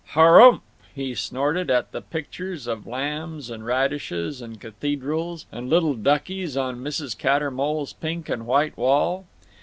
"Hurump!" he snorted at the pictures of lambs and radishes and cathedrals and little duckies on Mrs. Cattermole's pink and white wall.